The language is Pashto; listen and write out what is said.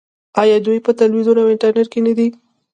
آیا دوی په تلویزیون او انټرنیټ کې نه دي؟